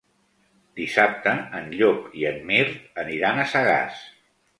Dissabte en Llop i en Mirt aniran a Sagàs.